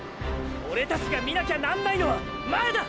オレたちが見なきゃなんないのは前だ！！